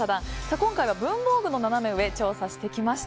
今回は文房具のナナメ上を調査してきました。